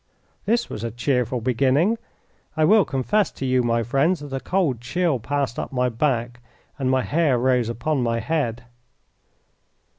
This was a cheerful beginning. I will confess to you, my friends, that a cold chill passed up my back and my hair rose upon my head.